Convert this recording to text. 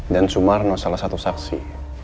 dan sumarno salah satu saksi